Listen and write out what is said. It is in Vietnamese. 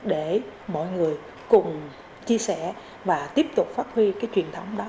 để mọi người cùng chia sẻ và tiếp tục phát huy truyền thống tốt đẹp đó